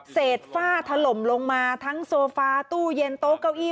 ฝ้าถล่มลงมาทั้งโซฟาตู้เย็นโต๊ะเก้าอี้